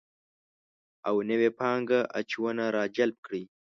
او نوې پانګه اچونه راجلب کړي